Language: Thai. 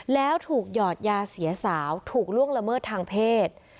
แล้วถูกหยอดยาเสียสาวถูกล่วงละเมิดทางเพศ